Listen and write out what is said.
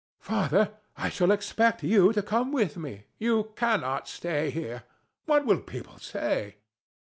ANA. Father: I shall expect you to come with me. You cannot stay here. What will people say?